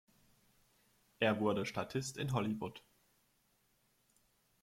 Er wurde Statist in Hollywood.